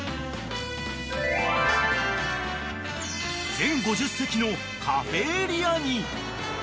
［全５０席のカフェエリアに］